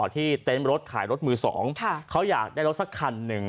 เต็นต์รถขายรถมือสองเขาอยากได้รถสักคันหนึ่ง